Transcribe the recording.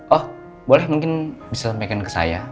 oh boleh mungkin bisa sampaikan ke saya